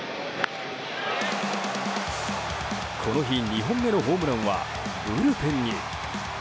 この日２本目のホームランはブルペンに。